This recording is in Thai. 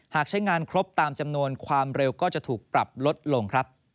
หากใช้งานครบตามจำนวนความเร็วก็จะถูกปรับลดลงครับ